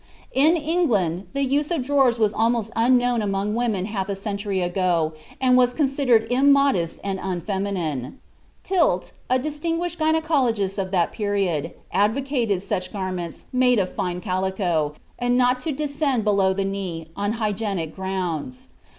In England, the use of drawers was almost unknown among women half a century ago, and was considered immodest and unfeminine. Tilt, a distinguished gynecologist of that period, advocated such garments, made of fine calico, and not to descend below the knee, on hygienic grounds.